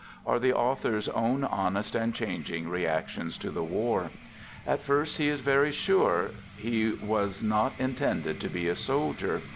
are the author's own honest and changing reactions to the war. At first he is very sure he was not intended to be a sol dier.